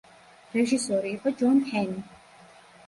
რეჟისორი იყო ჯონ ჰენი.